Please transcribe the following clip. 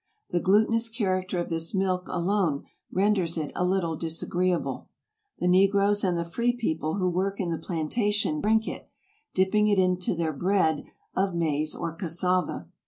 The glutinous character of this milk alone renders it a little disagreeable. The negroes and the free people who work in the plantations drink it, dipping into it their bread of maize or cassava.